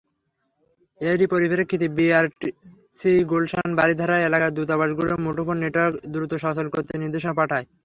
এরই পরিপ্রেক্ষিতে বিটিআরসি গুলশান-বারিধারা এলাকায় দূতাবাসগুলোর মুঠোফোন নেটওয়ার্ক দ্রুত সচল করতে নির্দেশনা পাঠায়।